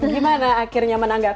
gimana akhirnya menanggapi